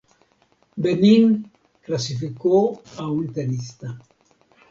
Benín clasificó a un tenista.